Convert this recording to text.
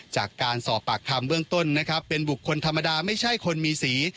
จากการสอบปากคำเบื้องต้นนะครับเป็นบุคคลธรรมดาไม่ใช่คนมีสี